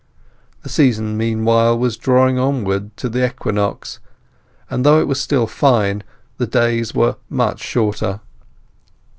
The season meanwhile was drawing onward to the equinox, and though it was still fine, the days were much shorter.